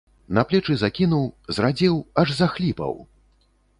На плечы закінуў, зрадзеў, аж захліпаў!